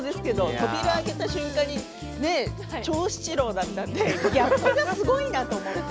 扉を開けた瞬間に長七郎だったのですごいなと思って。